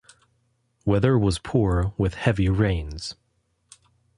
Weather was poor with heavy rains.